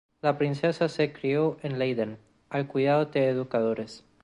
La princesa se crio en Leiden al cuidado de los educadores.